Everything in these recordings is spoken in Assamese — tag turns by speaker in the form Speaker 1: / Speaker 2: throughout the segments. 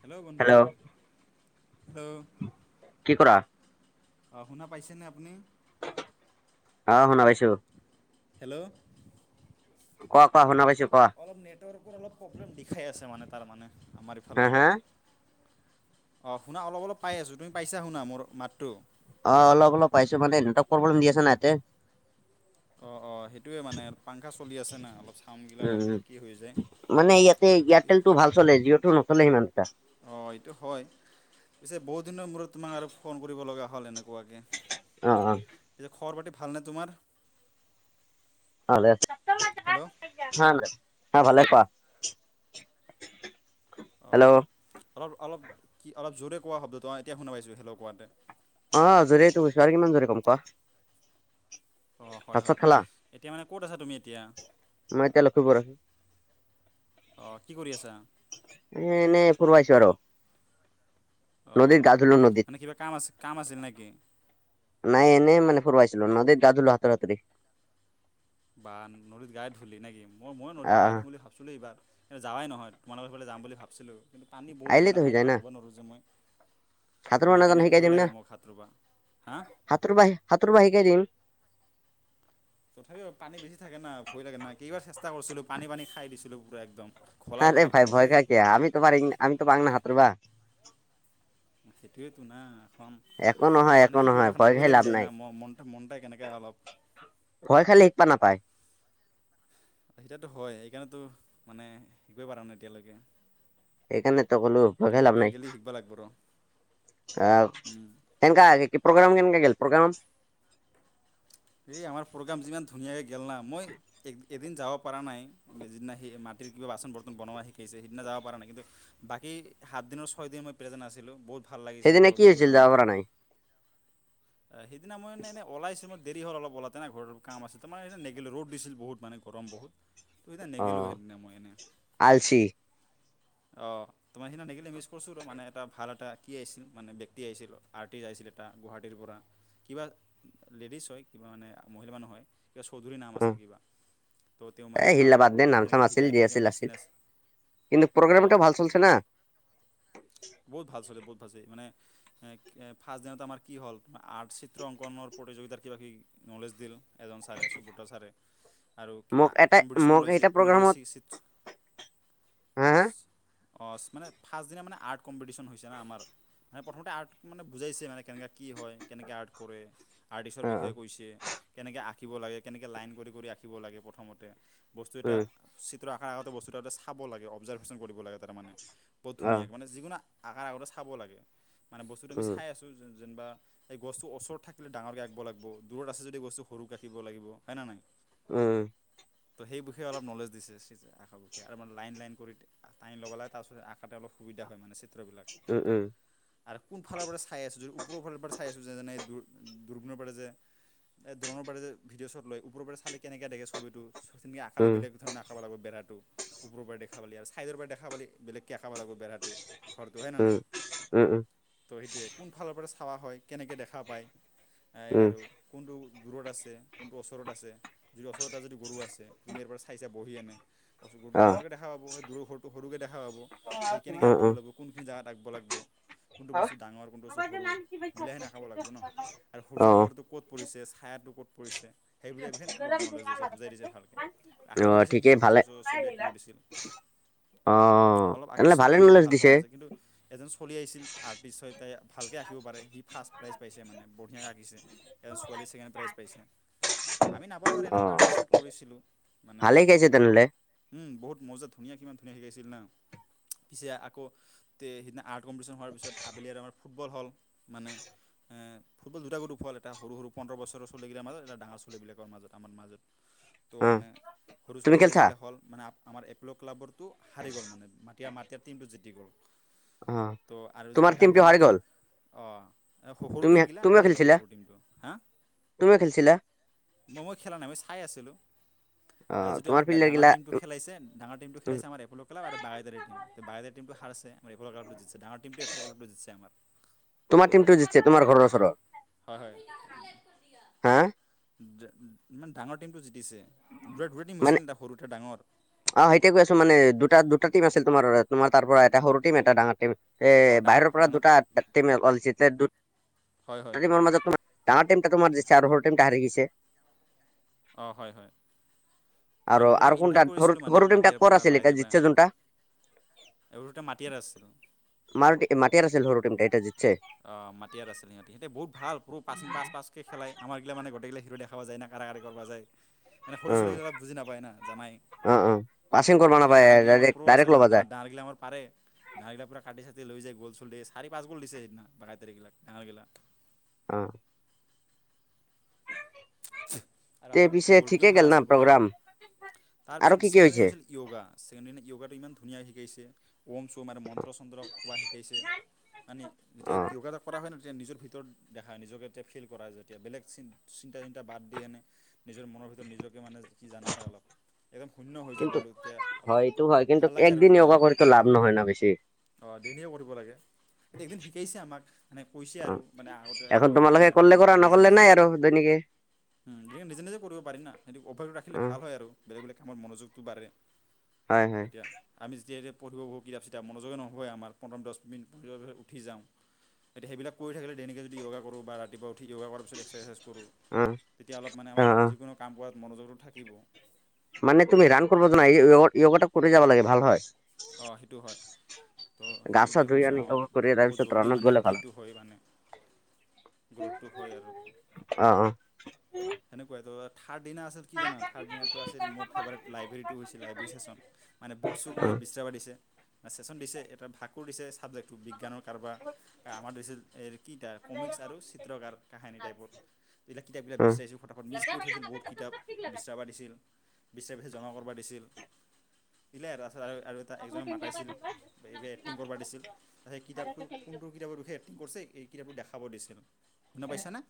Speaker 1: হেল্ল' বন্ধু, হেল্ল
Speaker 2: কি কৰা?
Speaker 1: অহ, শুনা পাইছেনে আপুনি?
Speaker 2: আহ শুনা পাইছোঁ।
Speaker 1: হেল্ল'
Speaker 2: কোৱা কোৱা, শুনা পাইছো কোৱা?
Speaker 1: অলপ নেটৱৰ্কৰ অলপ প্ৰব্লেম দিখাই আছে মানে, তাৰমানে আমাৰ
Speaker 2: হা
Speaker 1: ইফালে
Speaker 2: হা
Speaker 1: অহ শুনা অলপ অলপ পাই আছোঁ, তুমি পাইছা শুনা মোৰ মাতটো
Speaker 2: অহ অলপ অলপ পাইছো, মানে নেটৱৰ্ক প্ৰব্লেম দি আছে নহ ইয়াতে
Speaker 1: অহ অহ সেইটোৱে মানে পাংখা চলি আছে না, অলপ চাউণ্ড গিলা
Speaker 2: উম
Speaker 1: অলপ
Speaker 2: উম
Speaker 1: কি হৈ যায়।
Speaker 2: মানে ইয়াতে, এয়াৰটেলটো ভাল চলে জিঅ'টো নচলে সিমান এটা
Speaker 1: অ', এইটো হয়। পিছে বহুতদিনৰ মূৰত তোমাক আৰু ফোন কৰিব লগা হ'ল এনেকুৱাকে।
Speaker 2: অ অ
Speaker 1: এতিয়া খবৰ বাতি ভালনে তোমাৰ?
Speaker 2: ভালেই
Speaker 1: হেল্ল'
Speaker 2: অ', ভালেই কোৱা। হেল্ল'
Speaker 1: অ', অলপ অলপ কি অলপ জোৰে কোৱা শব্দটো অ', এতিয়া শুনা পাইছোঁ হেল্লো কোৱাতে।
Speaker 2: অ', জোৰে টো কৈছোঁ আৰু কিমান জোৰে কম কোৱা?
Speaker 1: অ', হয়,
Speaker 2: ভাত চাত
Speaker 1: হয়,
Speaker 2: খালা?
Speaker 1: এতিয়া মানে ক'ত আছা তুমি এতিয়া?
Speaker 2: মই এতিয়া
Speaker 1: অঁ কি কৰি আছা
Speaker 2: লক্ষীমপুৰত। এ এনে ফুৰবা আহিছোঁ আৰু। নদীত
Speaker 1: অ',
Speaker 2: গা ধুলো নদীত
Speaker 1: মানে কিবা কাম আছিল কাম আছিল নেকি?
Speaker 2: নাই এনে মানে ফুৰবা আহিছিলো নদী গা ধুলো হাততেৰা হাতৰি।
Speaker 1: বা নদীত গা ধুললি নে কি? মই ময়ো নদীত গা
Speaker 2: আহ
Speaker 1: ধুওঁ বুলি ভাবিছিলোঁ এইবাৰ। কিন্তু যাৱাই নহয়। তোমালোকৰ সেইফালে যাম বুলি ভাবছিলোঁ কিন্তু পানী বহুত
Speaker 2: আহিলেতো
Speaker 1: না
Speaker 2: হৈ
Speaker 1: পানীত
Speaker 2: যায়
Speaker 1: সাঁতুৰিব নোৱাৰো যে মই।
Speaker 2: সাঁতুৰব
Speaker 1: মানে
Speaker 2: নাজানা
Speaker 1: সেইকাৰণে ভয় লাগে মোৰ সাঁতুৰিব। হা?
Speaker 2: সাঁতুৰিব সাঁতুৰিব শিকাই দিম।
Speaker 1: তথাপিও পানী বেছি থাকে না ভয় লাগে না, কেইবাৰ চেষ্টা কৰিছিলোঁ পানী পানী খাই দিছিলোঁ পূৰা একদম। ঘোলা
Speaker 2: হাৰে
Speaker 1: ঘোলা
Speaker 2: ভাই
Speaker 1: পানীত
Speaker 2: ভয়
Speaker 1: সেই
Speaker 2: খাই কিয় আমিতোৰ আমিতো পাৰোঁ না সাঁতুৰিব।
Speaker 1: সেইটোৱেতো না
Speaker 2: একো
Speaker 1: [unintelligible]
Speaker 2: নহয়
Speaker 1: মানে
Speaker 2: একো
Speaker 1: কি
Speaker 2: নহয়
Speaker 1: কৰিব এখন ভয়
Speaker 2: খাই
Speaker 1: লাগি
Speaker 2: লাভ
Speaker 1: যায়
Speaker 2: নাই
Speaker 1: ম-মন মনতে কেনেকৈ অলপ
Speaker 2: ভয় খালি শিকবা নাপায়।
Speaker 1: সেইতিাতো হয়। সেইকাৰণেতো মানে শিকৱই পাৰা নাই এতিয়ালৈকে।
Speaker 2: সেইকাৰণে তই ক'লো। ভয়
Speaker 1: মানে
Speaker 2: খাই লাভ
Speaker 1: এইবাৰ
Speaker 2: নাই,
Speaker 1: গেলি শিকিব লাগিব
Speaker 2: আ
Speaker 1: ৰ
Speaker 2: তেনেক আহে কি? প্ৰগ্ৰাম কেনেক গ'ল, প্ৰগ্ৰাম?
Speaker 1: এই আমাৰ প্ৰগ্ৰাম যিমান ধুনীয়াকৈ গেল না মই এদিন যাব পৰা নাই, যিদিনা সেই মাটিৰ কিবা বাচন বৰ্তন বনোৱা শিকাইছে সেইদিনা যাব পৰা নাই। কিন্তু বাকী সাতদিনৰ ছয় দিন মই প্ৰেজেন্ট আছিলো, বহুত ভাল লাগিছে
Speaker 2: সেইদিনা
Speaker 1: মোৰ
Speaker 2: কি হৈছিল যাব
Speaker 1: অভিজ্ঞতামতে,
Speaker 2: পৰা নাই
Speaker 1: সিদিনা মই মানে এনেই ওলাইছোঁ মই দেৰি হ'ল অলপ ওলাতেনে ঘৰৰ কাম আছিল ত' মানে নেগিল ৰ'দ দিছিল বহুত মানে গৰম বহুত। ত' সেইদিনা
Speaker 2: অ
Speaker 1: নেগেলো সেইদিনা মই এনেই,
Speaker 2: আলচি
Speaker 1: অ'। তোমাৰ সেইদিনা থাকিলে মিছ কৰিছোঁ ৰ' মানে এটা ভাল এটা কি আহিছিল, মানে ব্যক্তি আহিছিল আৰ্টিষ্ট আহিছিল এটা গুৱাহাটীৰ পৰা। কিবা লেডিছ হয়, কিবা মানে মহিলা মানুহ হয়। কিবা চৌধুৰী নাম
Speaker 2: অ
Speaker 1: আছিল কিবা, ত‌' তেওঁ
Speaker 2: এ
Speaker 1: মানে ভাল
Speaker 2: হিলা
Speaker 1: ভাল
Speaker 2: বাদ দে নাম চাম
Speaker 1: কেনেকৈ
Speaker 2: আছিল
Speaker 1: শিকায়
Speaker 2: যি
Speaker 1: কেনেকৈ
Speaker 2: আছিল আছিল
Speaker 1: মেচিন আছে।
Speaker 2: কিন্তু প্ৰগ্ৰাম
Speaker 1: অঁ
Speaker 2: এটা ভাল চলছে না?
Speaker 1: বহুত ভাল চলিছে, বহুত ভাল চলিছে মানে এ, এফ ফাৰ্ষ্ট দিনত আমাৰ কি হল, আৰ্ট চিত্ৰ অংকনৰ প্ৰতিযোগিতাৰ কিবা কিবি নলেজ দিল, এজন ছাৰে সুব্ৰত ছাৰে। আৰু কে
Speaker 2: মোক
Speaker 1: আ
Speaker 2: এটা
Speaker 1: কম্পিটিশন
Speaker 2: মোক
Speaker 1: লৈছে,
Speaker 2: এটা
Speaker 1: কোনে কোনে
Speaker 2: প্ৰগ্ৰামত
Speaker 1: চি ছিটছ
Speaker 2: হা
Speaker 1: [unintelligible] অ', মানে ফাৰ্ষ্ট দিনা মানে আৰ্ট কম্পিটিশ্যন হৈছে না আমাৰ। মানে প্ৰথমতে আৰ্ট মানে বুজাইছে, মানে কেনেকৈ কি হয়, কেনেকৈ আৰ্ট কৰে। আৰ্টিষ্টৰ
Speaker 2: হা অ
Speaker 1: বিষয়ে কৈছে, কেনেকৈ আঁকিব লাগে, কেনেকৈ লাইন কৰি কৰি আঁকিব লাগে প্ৰথমতে। বস্তু
Speaker 2: অ
Speaker 1: এটা
Speaker 2: উম
Speaker 1: চিত্ৰ আকাৰ আগতে বস্তু এটা চাব লাগে, অবজাৰভেশ্যন কৰিব লাগে তাৰমানে। বহুত
Speaker 2: অ
Speaker 1: ধুনীয়াকে, মানে যিকোনো আকাৰ আগতে চাব লাগে, মানে বস্তুটো আমি
Speaker 2: উম
Speaker 1: চাই আছোঁ, যোন যোনবা সেই গছটো ওচৰত থাকিলে ডাঙৰকৈ আঁকিব লাগিব। দূৰত আছে যদি গছটো সৰুকৈ আঁকিব লাগিব, হয়নে নাই?
Speaker 2: উম।
Speaker 1: ত' সেই বিষে অলপ নলেজ দিছে, ছিটচ আশাবুষে আৰু মানে লাইন লাইন কৰি তে টাইম ল'ব লাগে, তাৰপিছত আঁকাতে অলপ সুবিধা হয় মানে, ছিটত এইবিলাক,
Speaker 2: উম উম
Speaker 1: আৰু কোন ফালৰ পৰা চাই আছো যো, ওপৰৰ ফালৰ পৰা চাই আছো যে যেনে দো দুগুনে পাৰে যে। এই ধৰণৰ পাৰে যে, ভিডিঅ শ্বট লয় ওপৰৰ পৰা চালে কেনেকৈ দেখে ছবি টো। তুমি আকালৈ
Speaker 2: উম
Speaker 1: বেলেগ ধৰণৰ আ আকাব লাগিব বেৰাটো। ওপৰৰ পৰা দেখাৰ পালি আৰু ছাইডৰ পৰা দেখাৰ পালি বেলেগকে আকাবা লাগিব বেৰাটো। ঘৰটো হে অনা নাই,
Speaker 2: উম উম উম
Speaker 1: ত' সেইটোৱে কোনফালৰ পৰা চাৱা হয়, কেনেকৈ দেখা পায়। এই
Speaker 2: উম
Speaker 1: আৰু, কোনটো দূৰত আছে, কোনটো ওচৰত আছে। যদি ওচতেটা যদি গৰু আছে। তুমি ইয়াৰ পৰা চাইছা বহি এনে কচ
Speaker 2: অ
Speaker 1: ডাঙৰকৈ দেখা পাব দূৰৰ ঘৰটো সৰুকৈ দেখা পাব, সেই কেনেকৈ
Speaker 2: উম
Speaker 1: আঁকিব
Speaker 2: উম
Speaker 1: লাগিব। কোনখিনি জগাত আকবা লাগিব। কোনটো বস্তু ডাঙৰ, কোনটো বস্তু সৰু মিলাই হে নাই নাখাব লাগিব ন, আৰু
Speaker 2: অ
Speaker 1: সূৰ্যৰ পোহৰটো ক'ত পৰিছে ছায়াটো ক'ত পৰিছে। সেই তেওঁ লোক নলেজ দিছে বুজাই দিছে ভালকৈ। আঁকিব
Speaker 2: অ
Speaker 1: দিছিল
Speaker 2: ঠিকেই
Speaker 1: কিবা
Speaker 2: ভালে
Speaker 1: গছৰ -চছৰ ছবি আঁকিব দিছিল।
Speaker 2: অ
Speaker 1: অলপ
Speaker 2: তেনেহ'লে
Speaker 1: আঁকিছিলোঁ
Speaker 2: ভালে
Speaker 1: ইমান
Speaker 2: নলেজ
Speaker 1: ভাল হোৱা
Speaker 2: দিছে
Speaker 1: নাছিল। কিন্তু এজন চলি আহিছিল, আৰ্টিষ্ট সতাই ভালকৈ আঁকিব পাৰে। সি ফাৰ্ষ্ট প্ৰাইজ পাইছে মানে বঢ়িয়াকৈ আঁকিছে। এজন ছোৱালীয়ে ছেকেণ্ড প্ৰাইজ পাইছে। আমি নাপালোঁ আৰু এনেই পাৰ্টিচিপেট কৰিছিলোঁ।
Speaker 2: ভালে গেছে তেনেহ'লে।
Speaker 1: উম‌ বহুত মজাত ধুনীয়া কিমান ধুনীয়া শিকাইছিল না। পিছে আকৌ তে' সেইদিনা আৰ্ট কম্পিটিশন হোৱাৰ পিছত আবেলি আৰু আমাৰ ফুটবল হল। মানে এই ফুটবল দুটা গৈলদ খোৱালে এটা সৰু -সৰু পোন্ধৰ বছৰ চলিকেইটা মাজত এটা ডাঙৰ ছোৱালী বিলাকৰ মাজত আমাৰ মাজত। তো
Speaker 2: অ
Speaker 1: মানে, সৰু
Speaker 2: তুমি
Speaker 1: চলিকেইটা
Speaker 2: খেলছা
Speaker 1: যিখিলা হ'ল মানে আমাৰ একলগ ক্লাবৰটো সাৰি গ'ল মানে মা তেতিয়া মাটেৰ টিমটো জিতি গ'ল।
Speaker 2: অ
Speaker 1: ত' আৰু যিটো
Speaker 2: তোমাৰ
Speaker 1: ডা, ডা
Speaker 2: টিমটো
Speaker 1: ডাঙৰ
Speaker 2: হাৰি
Speaker 1: টিম
Speaker 2: গ'ল
Speaker 1: অ', এ সৰ- সৰু
Speaker 2: তুমি
Speaker 1: টিম গিলা
Speaker 2: তুমিও
Speaker 1: হাৰি গ'ল,
Speaker 2: খেলিছিলা
Speaker 1: সৰু টিমটো। হা
Speaker 2: তুমিও খেলিছিলা?
Speaker 1: মই- মই খেলা নাই, চাই আছিলোঁ।
Speaker 2: অ
Speaker 1: আৰু যিটো
Speaker 2: তোমাৰ
Speaker 1: আমাৰ ডা, ডা
Speaker 2: প্লেয়াৰ
Speaker 1: ডাঙৰ
Speaker 2: গিলা
Speaker 1: টিমটো খেলাইছে। ডাঙৰ টিমটো
Speaker 2: উম,
Speaker 1: খেলাইছে আমাৰ এপোলো কাব আৰু বাগোৰ ম বাগোৰ টো হাৰছেমকল ক্টো জছে ডাঙৰ টিমটোৱ এ প্ৰকলাপটো দিছে আমাৰ।
Speaker 2: তোমাৰ টিমটো জিতছে তোমাৰ ঘৰৰ ওচৰৰ
Speaker 1: হয়, হয়।
Speaker 2: হা
Speaker 1: যে উ ইমান ডাঙৰ টিমটো জিতিছে। দুৰে, দুৰে টিম হৈছিল
Speaker 2: মানে
Speaker 1: নে তা সৰুতে ডাঙৰ।
Speaker 2: অ', সেইয় কৈ আছো মানে। দুটা দুটা টিম আছিল তোমাৰ, তোমাৰ তাৰ পৰা এটা সৰুটম এটা ডাঙৰ টিম। এ
Speaker 1: অঁ ডাঙৰ
Speaker 2: বাহিৰৰ পৰা
Speaker 1: ডাঙৰ
Speaker 2: দুটা টিম অকল, দু
Speaker 1: হয় হয়
Speaker 2: টিমৰ মাজত তোমাৰ। ডাঙৰ টিম তোমাক দিছে, আৰু সৰু টিমটা হাৰি গৈছে।
Speaker 1: অঁ', হয়- হয়।
Speaker 2: আৰু
Speaker 1: মানে
Speaker 2: আৰু
Speaker 1: দুটাটম
Speaker 2: কোনটা
Speaker 1: ইনভাইট
Speaker 2: সৰু
Speaker 1: কৰিছিলোঁ মানে,
Speaker 2: সৰু টিমটা
Speaker 1: মাটিয়াৰ
Speaker 2: ক'ৰ
Speaker 1: পৰা
Speaker 2: আছিল এতিয়া
Speaker 1: বাইদ
Speaker 2: জিতছে যোনটা
Speaker 1: পৰা। আৰু দুতা মাটিয়ে আছিল।
Speaker 2: মাৰ- মাটিয়াৰ আছিল সৰু টিমতো এতিয়া জিকিছে।
Speaker 1: অ', মাটিয়াৰ আছিল সিহঁতে বহুত ভাল পাছিং পাছ- পাচকৈ খেলাই আমাৰ গিলা মানে গোটেইকেইটা খেলো দেখা খাব যায় না কাৰা কাঢ়ি কৰিব যায়, মানে সৰু
Speaker 2: অ
Speaker 1: ছোৱালীকেইটা বুজি নাপায় না জানাই।
Speaker 2: অ অ পাচিং কৰিব
Speaker 1: কিন্তু
Speaker 2: নাপায়
Speaker 1: ডাঙৰ গিলা আমাৰ
Speaker 2: ডাইৰেক্ট
Speaker 1: পুৰ আছে
Speaker 2: ডাইৰেক্ট
Speaker 1: ন,
Speaker 2: ল'বা যায়
Speaker 1: ডা-ডাঙৰ গিলা আমাৰ পাৰে। ডাঙৰ গিলা পৰা কাটি -চাটি লৈ যায় গল চল দিয়ে চাৰি পাঁচ গল দিছে সেইদিনা বাগাইটাৰীগিলাক ডাঙৰ গিলা।
Speaker 2: অ'।
Speaker 1: আৰু
Speaker 2: তে
Speaker 1: আমাৰ
Speaker 2: পিছে
Speaker 1: গ'লকিও
Speaker 2: ঠিকে
Speaker 1: ভাল
Speaker 2: গেল না
Speaker 1: আছিল পুৰা,
Speaker 2: প্ৰগ্ৰাম আৰু
Speaker 1: তাৰপিছত
Speaker 2: কি কি
Speaker 1: ছেকেণ্ড
Speaker 2: হৈছে
Speaker 1: হৈছিল য়োগা ছেকেণ্ড দিনা য়োগাটো ইমান ধুনীয়া শিকাইছে। ওম চোম আৰু মন্ত্ৰ- চন্ত্ৰ কোৱা শিকাইছে, মানে
Speaker 2: অ
Speaker 1: যেতিয়া যোগা কৰা হয় ন, নিজৰ ভিতৰত দেখাই নিজকে এতিয়া ফিল কৰা যেতিয়া বেলেগ তে ইনতা বাদ দি এনে নিজৰ মনৰ ভিতৰত নিজকে মানে কি জনা হয় অলপ। একদম শূন্য হৈ যায়
Speaker 2: কিন্তু
Speaker 1: ব্ৰেণ্ডটো তেতিয়া অলপ
Speaker 2: হয় এইটো হয় কিন্তু
Speaker 1: ভাল লাগে আৰু
Speaker 2: একদিন
Speaker 1: তেতিয়া
Speaker 2: য়োগা
Speaker 1: অলপ।
Speaker 2: কৰিতো লাভ নহয় না বেছি
Speaker 1: অঁ ডেইলী কৰিব লাগে। একদিন শিকাইছে আমাক মানে কৈছে
Speaker 2: অ
Speaker 1: আৰু মানে আগতে কৰি থাকিবা এনেকে তোমালে নিজে নিজে।
Speaker 2: জানাই আৰু তেনেকেই।
Speaker 1: দে নিজে নিজে কৰিব পাৰি না সেইটো পকেটত ৰাখিলে
Speaker 2: অ
Speaker 1: ভাল হয় আৰু বেলেগ বেলেগ কামত মনোযোগটো বা়ৰে।
Speaker 2: হয় হয়
Speaker 1: তেতিয়া- আমি যেতিয়া যেতিয়া পঢ়িব বহো কিতাপ চিতাপ মনোযোগয়ে নহয় আমাৰ পোন্ধ দহ মিনি পৰে পৰে উঠি যাওঁ। এতিয়া সেইবিলাক কৰি থাকিলে দাইলিকে যোগা কৰোঁ বা ৰাতিপুৱা উঠি য়োগা কৰাৰ পিছত এক্সাৰচাইজ কৰোঁ।
Speaker 2: অ
Speaker 1: তেতিয়া অলপ মানে
Speaker 2: অ
Speaker 1: আমাৰ
Speaker 2: অ
Speaker 1: যিকোনো কাম কৰাত মনোযোগটো থাকিব।
Speaker 2: মানে তুমি ৰাণ কৰিব জানা য়োগাটা কৰি যাব লাগে, ভাল হয়।
Speaker 1: অঁ সেইটো হয়ঁ। ত'
Speaker 2: গা
Speaker 1: সেইটো
Speaker 2: চা
Speaker 1: এইটা
Speaker 2: ধুই
Speaker 1: কৈছোঁ
Speaker 2: আনি
Speaker 1: অ
Speaker 2: য়োগা কৰি
Speaker 1: বহুত
Speaker 2: তাৰপিছত
Speaker 1: জল্দি
Speaker 2: ৰাণত
Speaker 1: মানে কিটো হয় মানে। গ্ৰ'থটো হয় আৰু
Speaker 2: অঁ অঁ।
Speaker 1: সেনেকুৱাই ধৰা। থাৰ্ড দিনা আছিল কি জানা থাৰ্ড দিনাটো আছিল মোৰ ফেভাৰেট লাইব্ৰেৰীটো হৈছে লাইব্ৰেৰী চেচন। মানে বুক চুক
Speaker 2: অ
Speaker 1: মানে বিচৰাবাৰ দিছে চেচন দিছে এটা ভাগ- ফুল দিছে ছাবজেক্টটো বিজ্ঞানৰ কাৰোবা। আমাৰটো দিছিল এ কমিক্স আৰু চিত্ৰকাৰ কাহিনী টাইপৰ। এইবিলাক কিতাপ বিলাক
Speaker 2: অ
Speaker 1: বিচাৰিছিলোঁ ফঠাফত মিছ কৰি থৈছিল বহুত কিতাপ বিচৰাবাৰ দিছিল। বিচাৰি বিচাৰি পিছে জমা কৰিব দিছিল দিলে আৰু আ আৰু আৰু এটা একজনে মাতাইছিল। বাহিৰে বাহিৰে এক্টিং কৰীব দিছিল। সেই কিতাপটো কোনটো কিতাপৰ বিষয়ে এক্টিং কৰিছে এই কিতাপটো দেখাব দিছিল। শুনা পাইছা না?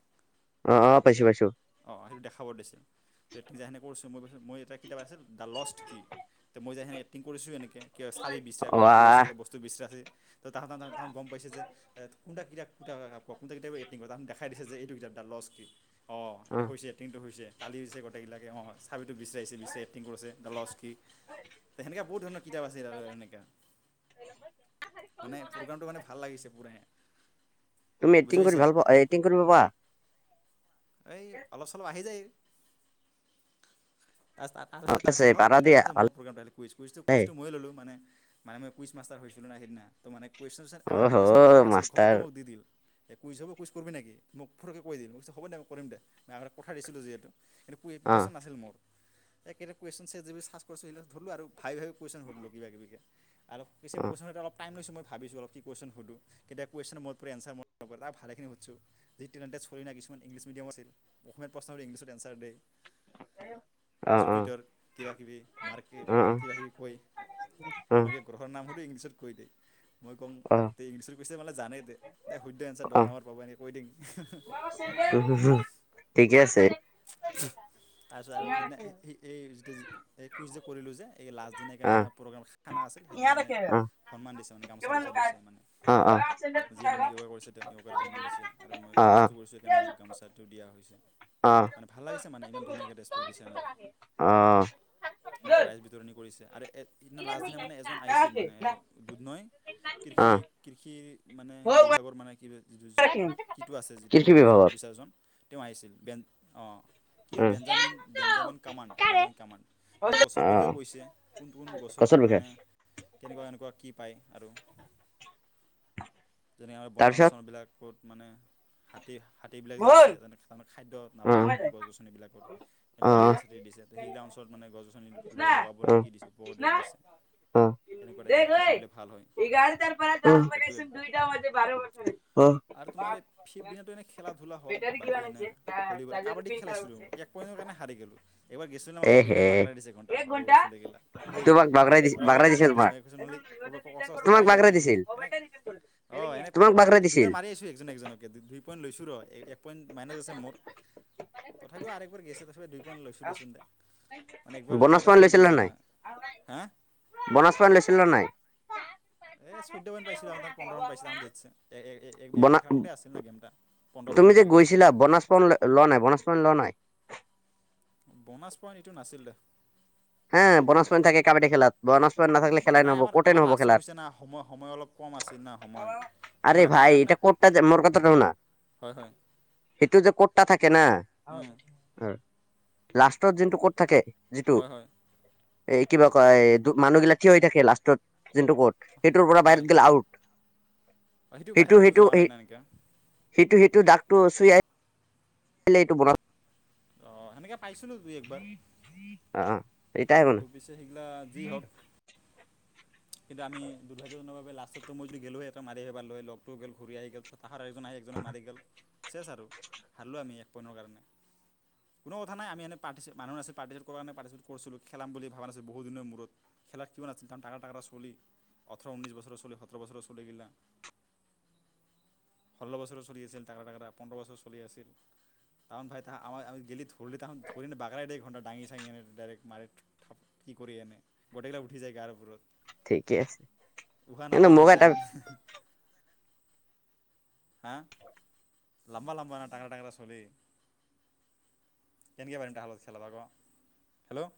Speaker 2: অঁ অঁ পাইছোঁ পাইছোঁ।
Speaker 1: অঁ সেইটো দেখাব দিছিল। পেটিছজাহানি কৰীছো এটা কিতাপ আছিল দ্যলষ্ট কি ত মই যাহানী এক্টিং কৰিছোঁ এনেকৈ- কিয় চাৰে বিশ্বাস কৰি
Speaker 2: ৱাহ
Speaker 1: হুৰাইচেগে বস্ত বিচৰাই তো তহতৰ তহতগম পাইছ যে আ এইটো কিতাপ দা লষ্ট কি অঁ এতিয়া হৈছে এক্টিংটো হৈছে কালি হৈছে গোটেইগিলাকে অঁ। তথাপিতো বিচাৰিছে বিচাৰি এক্টিং কৰিছে দা লষ্ট সেনেকুৱা বহুত ধৰণৰ কিতাপ আছে এনেকা।
Speaker 2: এনেকা কেচা খাই দিম।
Speaker 1: মানে প্ৰগ্ৰামটো মানে ভাল লাগিছে পুৰা।
Speaker 2: তুমি
Speaker 1: বুজি
Speaker 2: এক্টিং কৰি
Speaker 1: পাইছা
Speaker 2: ভাল পোৱা এক্টিং কৰিব পোৱা।
Speaker 1: এই অলপ চলপ আহি যায়। তাছ
Speaker 2: অ ঠিক আছে
Speaker 1: তাপিছত হ'ল
Speaker 2: পাৰা
Speaker 1: এতিয়া
Speaker 2: দিয়া
Speaker 1: ভাবিছোঁ
Speaker 2: ভাল
Speaker 1: মোৰ পগেমতো আহিলে কুইচ খুজিছো।
Speaker 2: দেই
Speaker 1: মইও ল'লো মানে মানে মইও কুইচ মাষ্টাৰ হৈছিলোঁ না সেইদিনা। তো মানে কুৱেশ্যন ছাৰ আগাৰ
Speaker 2: অহ
Speaker 1: পপ্ৰিপাৰেচন কৰা নাছিলো ঘপকে
Speaker 2: মাষ্টাৰ
Speaker 1: মই দি দিলোঁ। এই কুইজ হব, কুইচ কৰিবি নেকি? মোক পুৰাকৈ কৈ দিম হ'ব দে মই কৰিম দে মই আগতে পতাই দিছিলোঁ যিহেতু কিন্ত এইটো
Speaker 2: অ
Speaker 1: কুইছৱ নছিল মোৰ এই একেইটা কুৱেশন ছাট জি পি টিত চাৰ্জ কৰিলো, এইবিলাক ধৰিলোঁ আৰু ভাই হয়। কুৱেশন সুধিলোঁ কিবাকিবি এতিয়া আৰু কিছুমান
Speaker 2: অ
Speaker 1: কুৱেছন এতিয়া ভাবিছোঁ অলপ। কুৱেশন সুধো কেতিয়াবা কুৱেশনৰ মোৰতো জনতাৰ মোৰত ভালে খিনি সোধু। জিতো ৰাউন চুয়েনা ইংলিছ মেডিয়াত আছিল আসমীয়াত প্ৰশ্ন সোধে ইংলিছত এনচাৰ সোধে।
Speaker 2: অ অ
Speaker 1: জুপিটাৰ, কিবা কিবি মাৰ্কেট কিবা কিবি! কয়
Speaker 2: অ
Speaker 1: মই এতিয়া গড়ৰ নাম সোধে ইংলিছত কৈ দে।
Speaker 2: অ অ অ
Speaker 1: [unintelligible]
Speaker 2: [inaudible] ঠিকে আছে।
Speaker 1: [inaudible] [inaudible]
Speaker 2: অ অ
Speaker 1: খানা‌ আছিলে,
Speaker 2: অ
Speaker 1: সেইদিনা মানে
Speaker 2: অ অ
Speaker 1: সন্মান দিছে মানে, গামোচা, গামোচা দিছে মানে, যিয়ে মানে ইয়গা কৰিছে, তেওঁ ইয়গাৰ কাৰণে দিছে। আৰু মই কোইজটো কৰিছোঁ সেইকাৰণে মোক গামোচাটো দিয়া হৈছে।
Speaker 2: আ,
Speaker 1: মানে‌ ভাল লাগিছে, মানে ইমান ধুনীয়াকে দেচ কৰি দিছে না।
Speaker 2: অ,
Speaker 1: আৰু প্ৰাইজ বিতৰণি কৰিছে আৰু সেইদিনা লাষ্ট দিনা মানে এজন আহিছিল মানে দুদনৈ
Speaker 2: অ
Speaker 1: কৃষি- কৃষি, মানে বিভাগৰ মানে [inaudible] কিটো আছে যিটো,
Speaker 2: কৃষি বিভাগত
Speaker 1: মানুহজন [inaudible] অ, কিয়
Speaker 2: উম
Speaker 1: Benjamin, Benjamin command, Benjamin command. তেওঁ গছৰ
Speaker 2: অ
Speaker 1: বিষয়ে কৈছে, কোন কোন গছত
Speaker 2: গছৰ বিষয়ে
Speaker 1: মানে কেনেকুৱা, কেনেকুৱা কি পায় আৰু যেনেকৈ
Speaker 2: তাৰপিছত
Speaker 1: বনাঞ্চলবিলাক। ক'ত মানে, হাতী হাতীবিলাক যে আছে তাৰমানে খাদ্য নাপা
Speaker 2: অ
Speaker 1: পায় মানে গছ-গছনিবিলাকত, এতিয়া
Speaker 2: অ অ
Speaker 1: কাট-চাটি দিছে, সেইগিলাক অঞ্চল মানে গছ-গছনি [inaudible]
Speaker 2: অ
Speaker 1: লগাবলৈ কি দিছে, উপদেশ দিছে? কেনেকুৱা টাইপৰ কি কৰিলে ভাল হয় সেইটোৱে
Speaker 2: [unintelligible]
Speaker 1: আৰু তোমাৰ এই ফিফ্ট দিনাতো এনেই খেলা-ধূলা হ'ল, বাকী এনে
Speaker 2: এ হে
Speaker 1: [unintelligible]
Speaker 2: তোমাক বাগৰাই দিছিল বাগৰাই দিছিল তোমাক
Speaker 1: [unintelligible]
Speaker 2: [unintelligible]
Speaker 1: অ, এনেই
Speaker 2: তোমাক বাগৰাই দিছিল
Speaker 1: দুইবাৰ মাৰি আছোঁ, একজন, একজনকে, দুই পইণ্ট লৈছোঁ ৰ, এক পইণ্ট মাইনাচ আছে মোৰ। তথাপিও আৰু একবাৰ গৈছে তথি দুই পান লৈছোঁ দেচোন, দে মানে একবাৰ যা
Speaker 2: বনাজ পাণ
Speaker 1: তাত ধই
Speaker 2: লৈছিল নে
Speaker 1: লৈছে না।
Speaker 2: নাই
Speaker 1: হা
Speaker 2: [unintelligible] বনা
Speaker 1: [unintelligible]
Speaker 2: তুমি যে
Speaker 1: পইণ্টলৈকে
Speaker 2: গৈছিলা, বনাছ পন লোৱা নাই, বনাছ পন লোৱা নাই?
Speaker 1: বনাছ পইণ্ট এইটো নাছিল দে?
Speaker 2: হে, বনাছ পইন্ট থাকে, কাবাডী খেলাত, বনাছ
Speaker 1: নাই আমাৰ, আমাৰ লাষ্টত হৈছে না? সময়, সময়, অলপ কম আছিল না সময়। সময় নাটনিৰ কাৰণে
Speaker 2: [unintelligible]
Speaker 1: হয়, হয়। উম,
Speaker 2: [unintelligible]
Speaker 1: হয়, হয়।
Speaker 2: এই, কিবা কয়, মানুহবিলাক থিয় হৈ থাকে হয় লাষ্টত, যোনটো ক'ত সেইটোৰ পৰা
Speaker 1: হয় হয়,
Speaker 2: বাহিৰত গলে আউট।
Speaker 1: সেইটো বাহিৰত যোৱা নাই না এনেকৈ
Speaker 2: [unintelligible] [unintelligible]
Speaker 1: অ, সেনেকে পাইছিলোঁ দুই একবাৰ।
Speaker 2: [inaudible] অ, এতিয়া
Speaker 1: [unintelligible] [unintelligible] [unintelligible] [unintelligible] [unintelligible] [unintelligible] অঠৰ ঊনৈছ বছৰৰ চলি সোতৰ বছৰৰ চলি গিলা। ষোল্ল বছৰো চলি আছিল। টাগৰা টাগৰা পোন্ধৰ বছৰ চলি আছিল। তাহমান ভাই তা আমাৰ আমি গিলিত ধৰিলি তাহোন ধৰিনে বাগাৰাই দে ঘণ্টা ডাঙি চাঙিনে ডাইৰেক্ মাৰিত। কি কৰি আনে, গোটেইকেইটা উঠি যায় গাৰ ওপৰত।
Speaker 2: ঠিকে আছে।
Speaker 1: উশাহ
Speaker 2: কিন্তু
Speaker 1: নোপোৱা
Speaker 2: মোক
Speaker 1: হৈ
Speaker 2: এটা
Speaker 1: যাং। হা। লাম্বা লাম্বা টাগৰা টাগৰা ছোৱালী। কেনকে পাৰিম। [unintelligible] হেল্ল!